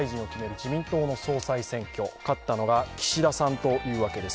自民党の総裁選挙勝ったのが岸田さんというわけです。